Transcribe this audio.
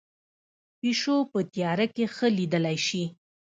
پیشو په تیاره کې ښه لیدلی شي